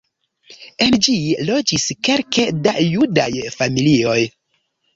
En ĝi loĝis kelke da judaj familioj.